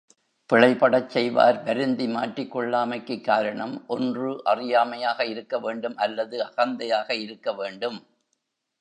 பிழைபடச் செய்வார் வருந்தி மாற்றிக் கொள்ளாமைக்குக் காரணம், ஒன்று அறியாமையாக இருக்கவேண்டும் அல்லது அகந்தையாக இருக்க வேண்டும்.